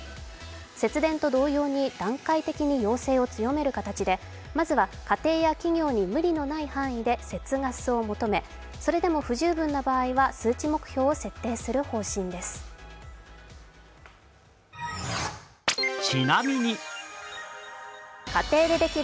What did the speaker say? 節電と同様に段階的に要請を強める形で、まずは家庭や企業に無理のない範囲で節ガスを求め、それでも不十分な場合は数値目標を設定する方針です。